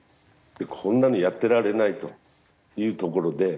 こんなのやってられないというところで。